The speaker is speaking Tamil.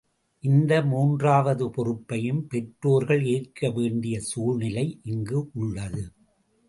இந்த மூன்றாவது பொறுப்பையும் பெற்றோர்கள் ஏற்க வேண்டிய சூழ்நிலை இங்கு உள்ளது.